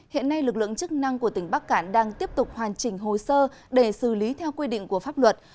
hiện nay lực lượng chức năng của tỉnh bắc cạn đang tiếp tục hoàn chỉnh hồ sơ để xử lý theo quy định của pháp luật